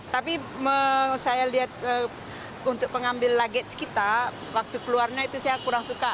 tapi saya lihat untuk pengambil lagi kita waktu keluarnya itu saya kurang suka